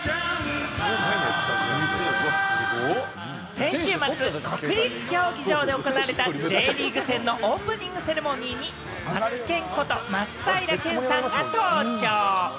先週末、国立競技場で行われたＪリーグ戦のオープニングセレモニーにマツケンこと松平健さんが登場！